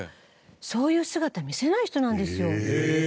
そういう姿見せない人なんですよ。へえ！